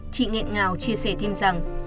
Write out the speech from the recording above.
chị nghẹn ngào chia sẻ thêm rằng